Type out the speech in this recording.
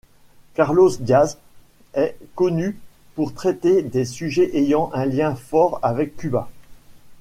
Carlos Diaz est connu pour traiter des sujets ayant un lien fort avec Cuba.